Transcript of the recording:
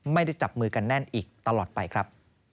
ไม่ได้จับมือกันแน่นอีกตลอดไปครับ